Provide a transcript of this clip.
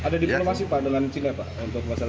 ada diplomasi pak dengan cina pak